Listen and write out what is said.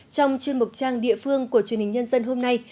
trong chuyên mục trang địa phương của truyền hình nhân dân hôm nay